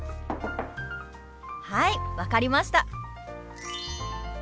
はい分かりました！